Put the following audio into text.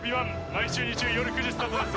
毎週日曜夜９時スタートです